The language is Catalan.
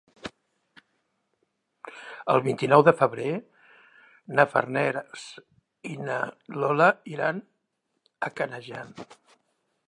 El vint-i-nou de febrer na Farners i na Lola iran a Canejan.